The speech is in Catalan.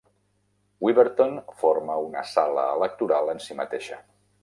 Wyberton forma una sala electoral en si mateixa.